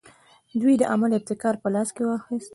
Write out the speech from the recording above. دوی د عمل ابتکار په لاس کې واخیست.